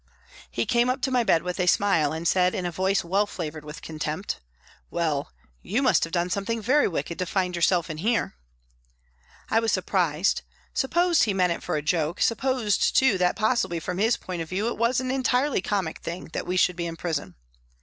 He came up to my bed with a smile and said, in a voice well flavoured with contempt :" Well, you must have done some thing very wicked to find yourself in here ?" I was surprised, supposed he meant it for a joke ; supposed, too, that possibly from his point of view it was an entirely comic thing that we should be in prison.